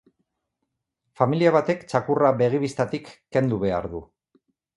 Familia batek txakurra begi-bistatik kendu behar du.